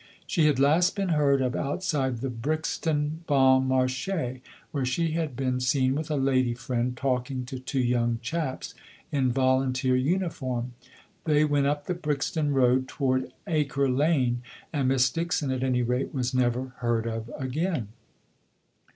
She had last been heard of outside the Brixton Bon Marché, where she had been seen with a lady friend, talking to "two young chaps" in Volunteer uniform. They went up the Brixton Road toward Acre Lane, and Miss Dixon, at any rate, was never heard of again.